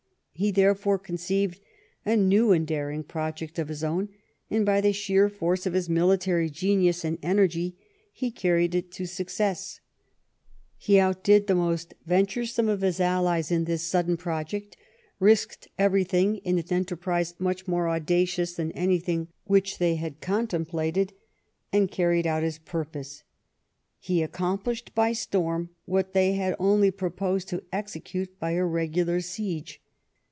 He, therefore, conceived a new and daring project of his own, and by the sheer force of his military genius and energy he carried it to suc cess. He outdid the most venturesome of his allies 133 THE REIGN OF QUEEN ANNE in this sudden project, risked everything in an enter prise much more audacious than anything which they had contemplated, and carried out his purpose. He accomplished by storm what they had only proposed to execute by a regular siege.